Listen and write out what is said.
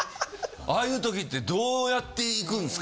「ああいうときってどうやっていくんっすか？」